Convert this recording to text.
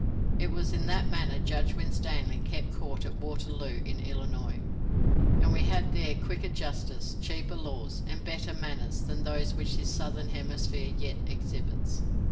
It was in that manner Judge Winstanley kept court at Waterloo in Illinois, and we had there quicker justice, cheaper laws, and better manners than those which this southern hemisphere yet exhibits.